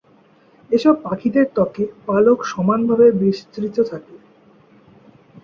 এসব পাখিদের ত্বকে পালক সমানভাবে বিস্তৃত থাকে।